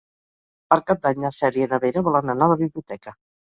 Per Cap d'Any na Cèlia i na Vera volen anar a la biblioteca.